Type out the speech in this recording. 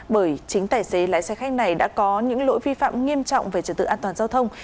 bởi chính tài xế lái xe khách này đã có những lỗi vi phạm nghiêm trọng về trật tự an toàn giao thông